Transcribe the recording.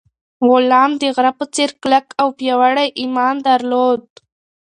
غلام د غره په څېر کلک او پیاوړی ایمان درلود.